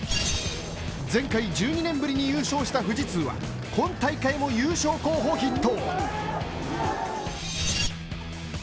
前回１２年ぶりに優勝した富士通は今大会も優勝候補筆頭。